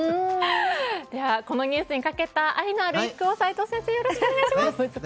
このニュースにかけた愛のある一句を齋藤先生よろしくお願い致します。